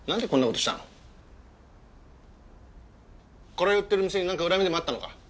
これ売ってる店になんか恨みでもあったのか？